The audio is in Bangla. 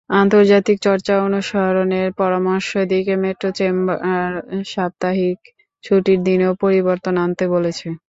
আন্তর্জাতিক চর্চা অনুসরণের পরামর্শ দিয়ে মেট্রো চেম্বার সাপ্তাহিক ছুটির দিনেও পরিবর্তন আনতে বলেছে।